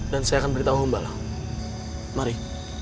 dan saya akan beritahu mbak lang mari